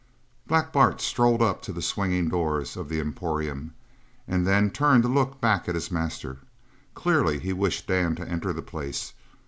Black Bart strolled up to the swinging doors of the emporium and then turned to look back at his master; clearly he wished Dan to enter the place.